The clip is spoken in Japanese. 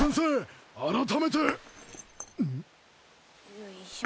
よいしょ。